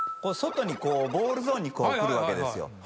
外にボールゾーンに来るわけですよ。